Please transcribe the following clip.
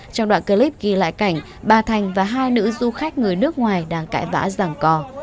trong đoạn clip ghi lại cảnh bà thành và hai nữ du khách người nước ngoài đang cãi vã giảng cò